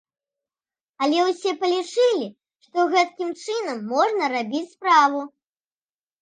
Але ўсе палічылі, што гэткім чынам можна рабіць справу.